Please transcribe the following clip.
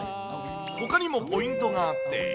ほかにもポイントがあって。